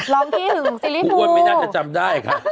ร้องขี้หึงซีรีส์ฟูครูอ้วนไม่น่าจะจำได้ค่ะ